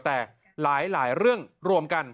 แต่หลายเรื่องรวมกัน